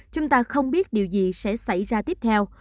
chúng ta không biết điều gì sẽ xảy ra tiếp theo